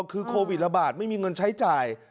คือโควิดระบาดไม่มีเงินใช้จ่าย